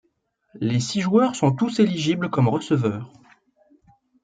Les six joueurs sont tous éligibles comme receveur.